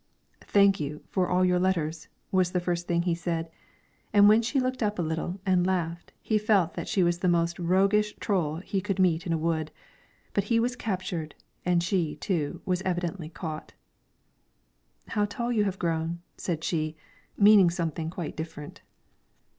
"Thank you for all your letters," was the first thing he said; and when she looked up a little and laughed, he felt that she was the most roguish troll he could meet in a wood; but he was captured, and she, too, was evidently caught. "How tall you have grown," said she, meaning something quite different.